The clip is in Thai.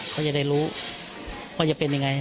เขาจะได้รู้ว่าจะเป็นยังไง